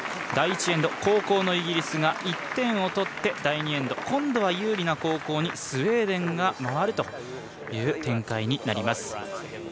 第１エンド後攻のイギリスが１点を取って第２エンド、今度は有利な後攻にスウェーデンが回るという展開になります。